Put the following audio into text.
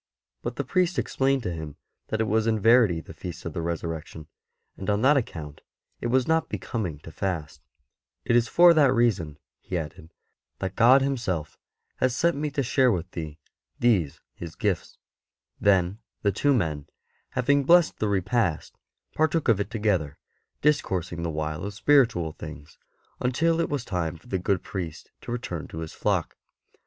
But the priest explained to him that it was in verity the Feast of the Resurrection, and on that account it was not becoming to fast. 36 ST. BENEDICT '' It is for that reason/' he added, '' that God Himself has sent me to share with thee these His gifts/' Then the two men, having blessed the repast, partook of it together, discoursing the while of spiritual things, until it was time for the good priest to return to his flock.